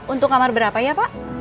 untuk kamar berapa ya pak